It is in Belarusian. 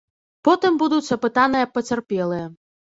Потым будуць апытаныя пацярпелыя.